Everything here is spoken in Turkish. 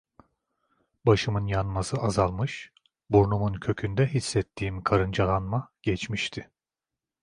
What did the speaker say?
Başımın yanması azalmış, burnumun kökünde hissettiğim karıncalanma geçmişti.